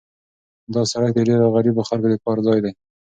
دا سړک د ډېرو غریبو خلکو د کار ځای دی.